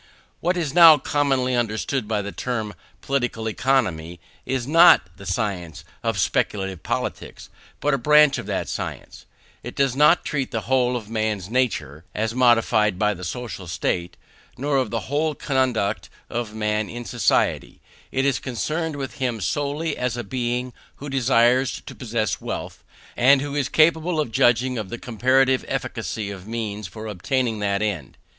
What is now commonly understood by the term "Political Economy" is not the science of speculative politics, but a branch of that science. It does not treat of the whole of man's nature as modified by the social state, nor of the whole conduct of man in society. It is concerned with him solely as a being who desires to possess wealth, and who is capable of judging of the comparative efficacy of means for obtaining that end.